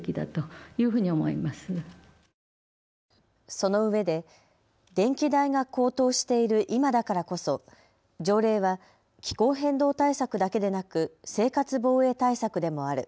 そのうえで電気代が高騰している今だからこそ条例は気候変動対策だけでなく生活防衛対策でもある。